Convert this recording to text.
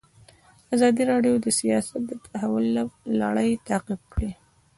ازادي راډیو د سیاست د تحول لړۍ تعقیب کړې.